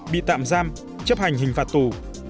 bị tạm giam chấp hành hình phạt tù